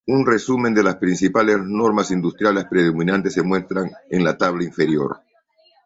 Un resumen de las principales normas industriales predominantes se muestran el la tabla inferior.